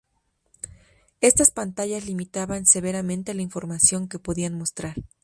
Estas pantallas limitaban severamente la información que podían mostrar.